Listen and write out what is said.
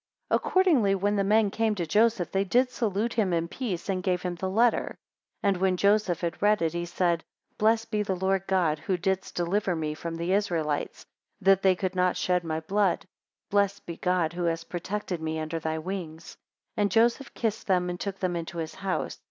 11 Accordingly, when the men came to Joseph, they did salute him in peace, and gave him the letter. 12 And when Joseph had read it, he said, Blessed be the Lord God, who didst deliver me from the Israelites, that they could not shed my blood. Blessed be God, who hast protected me under thy wings. 13 And Joseph kissed them, and took them into his house.